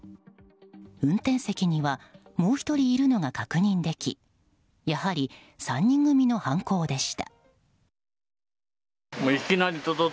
運転席にはもう１人いるのが確認できやはり３人組の犯行でした。